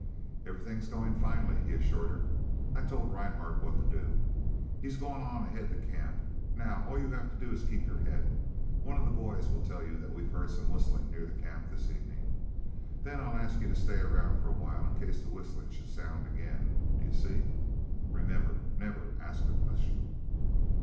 "Everything goes finely," he assured her. "I told Rhinehart what to do. He's gone ahead to the camp. Now all you have to do is to keep your head. One of the boys will tell you that we've heard some whistling near the camp this evening. Then I'll ask you to stay around for a while in case the whistling should sound again, do you see? Remember, never ask a question!"